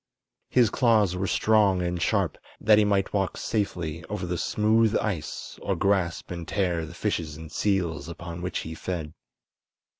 His claws were strong and sharp, that he might walk safely over the smooth ice or grasp and tear the fishes and seals upon which he fed.